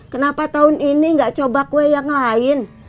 kenapa tahun ini gak coba kue yang lain